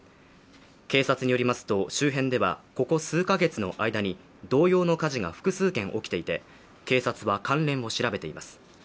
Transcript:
警察によりますと周辺ではここ数か月の間に同様の火事が複数件起きていて警察は関連を調べています。